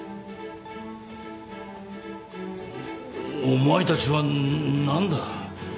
お前たちは何だ？